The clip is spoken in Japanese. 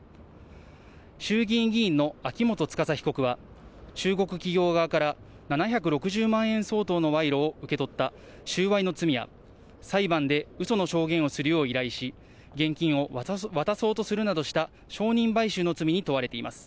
衆議院議員の秋元司被告は、中国企業側から７６０万円相当のわいろを受け取った収賄の罪や、裁判でうその証言をするよう依頼し、現金を渡そうとするなどした証人買収の罪に問われています。